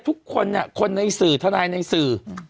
ทุกคนเนี่ยคนในสื่อทานายในสื่อ